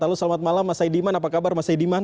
halo selamat malam mas saidiman apa kabar mas saidiman